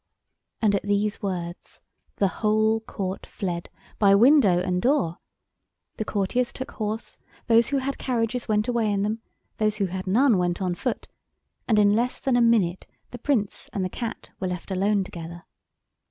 And at these words the whole Court fled—by window and door. The courtiers took horse, those who had carriages went away in them, those who had none went on foot, and in less than a minute the Prince and the Cat were left alone together.